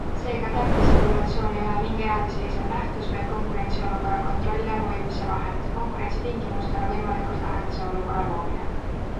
Seega täppisregulatsioon ei ole mingi eraldiseisev nähtus vaid konkurentsiolukorra kontrolli all hoidmise vahend, konkurentsitingimustele võimalikult lähedase olukorra loomine.